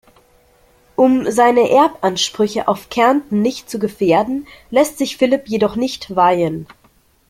Um seine Erbansprüche auf Kärnten nicht zu gefährden, lässt sich Philipp jedoch nicht weihen.